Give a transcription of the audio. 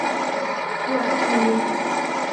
หลักพัน